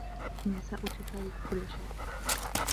النساء تشارك كل شئ.